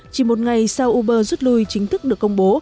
chỉ một ngày sau uber rút lui chính thức được công bố